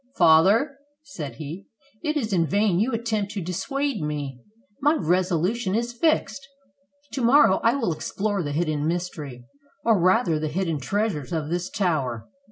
"Father," said he, "it is in vain you attempt to dissuade me. My resolution is fixed. To morrow I will explore the hid den mystery, or rather the hidden treasures, of this tower."